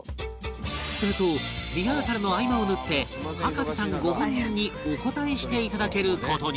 するとリハーサルの合間を縫って葉加瀬さんご本人にお答えしていただける事に